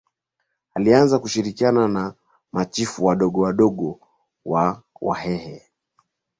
Alianza kushirikiana na machifu wadogo wadogo wa Wahehe